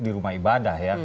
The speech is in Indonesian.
di rumah ibadah ya